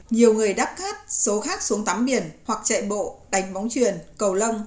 nhiều người đắp cát số khác xuống tắm biển hoặc chạy bộ đánh bóng truyền cầu lông